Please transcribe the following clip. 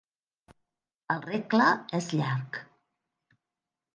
El regle és llarg.